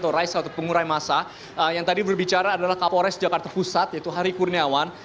atau raisa atau pengurai masa yang tadi berbicara adalah kapolres jakarta pusat yaitu hari kurniawan